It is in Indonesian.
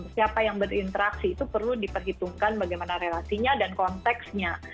siapa yang berinteraksi itu perlu diperhitungkan bagaimana relasinya dan konteksnya